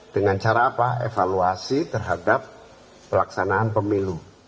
dengan cara apa evaluasi terhadap pelaksanaan pemilu